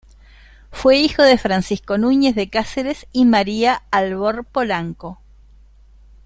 Fue hijo de Francisco Núñez de Cáceres y María Albor Polanco.